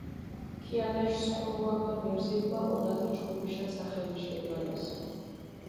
ქიანაშ სხუნუაქ დო ნირზიქ მაჸუნჷ ათე ჩხუპიშა სახელიშ გედვალას.